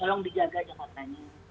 tolong dijaga jakartanya